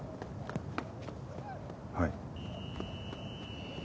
はい。